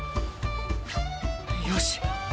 よし！